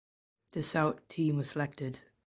The South team was selected.